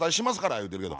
言うてるけど。